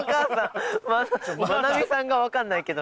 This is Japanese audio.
マナミさんが分かんないけど。